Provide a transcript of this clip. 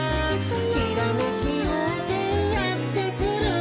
「ひらめきようせいやってくる」